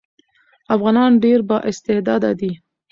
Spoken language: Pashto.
افغانان ډېر با استعداده دي.